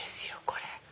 これ。